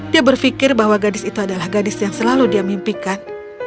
dia berpikir bahwa gadis itu adalah gadis yang selalu dia mimpikan